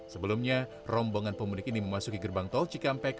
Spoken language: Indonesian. sebelumnya rombongan pemudik ini memasuki gerbang tol cikampek